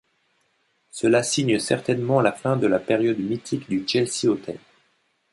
Cela signe certainement la fin de la période mythique du Chelsea Hotel.